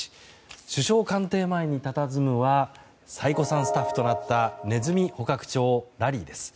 首相官邸前にたたずむのは最古参スタッフとなったネズミ捕獲長ラリーです。